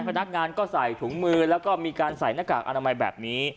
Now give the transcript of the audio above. พนักงานก็ใส่ถุงมือแล้วก็มีการใส่หน้ากากอนามัยแบบนี้